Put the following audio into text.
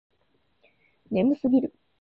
眠すぎる